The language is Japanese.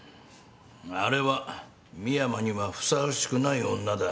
あれは深山にはふさわしくない女だ。